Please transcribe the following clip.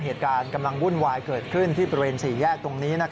เหตุการณ์กำลังวุ่นวายเกิดขึ้นที่บริเวณ๔แยกตรงนี้